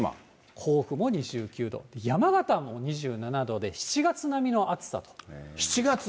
甲府も２９度、山形も２７度で、７月並みの暑さ。